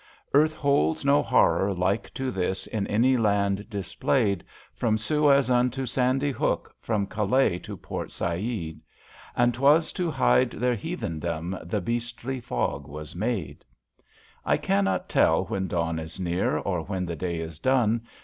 • Earth holds no horror like to this In any land displayed, From Suez unto Sandy Hook, From Calais to Port Said; AT>d Hwas to hide their heathendom The beastly fog was made, I cannot tell when dawn is near, Or when the day is done.